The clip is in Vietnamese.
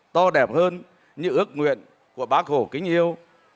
to đẹp hơn như ước nguyện của bác hồ kính yêu